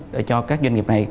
để cho các doanh nghiệp này